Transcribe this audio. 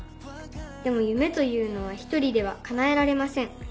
でも夢というのは１人では叶えられません。